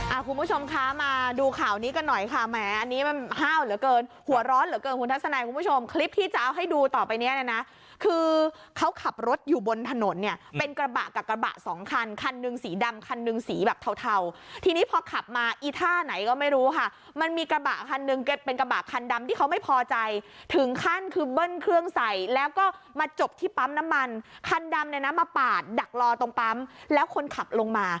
อ่าคุณผู้ชมคะมาดูข่าวนี้กันหน่อยค่ะแหมอันนี้มันห้าวเหลือเกินหัวร้อนเหลือเกินคุณทัศนายคุณผู้ชมคลิปที่จะเอาให้ดูต่อไปเนี้ยนะคือเขาขับรถอยู่บนถนนเนี้ยเป็นกระบะกับกระบะสองคันคันหนึ่งสีดำคันหนึ่งสีแบบเทาเทาทีนี้พอขับมาอีท่าไหนก็ไม่รู้ค่ะมันมีกระบะคันหนึ่งเก็บเป็นกระ